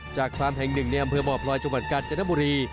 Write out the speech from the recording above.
ฟาร์มแห่งหนึ่งในอำเภอบ่อพลอยจังหวัดกาญจนบุรี